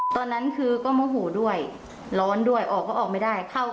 ตอนนั้นคือก็โมโหด้วยร้อนด้วยออกก็ออกไม่ได้เข้า